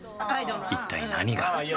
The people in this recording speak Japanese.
一体何が？